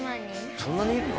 そんなにいるの？